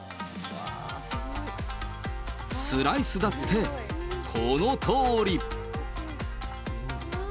スライスだってこのとおり。